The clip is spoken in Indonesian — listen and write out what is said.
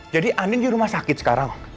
jadi andin di rumah sakit sekarang